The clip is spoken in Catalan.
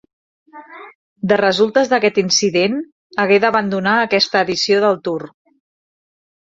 De resultes d'aquest incident hagué d'abandonar aquesta edició del Tour.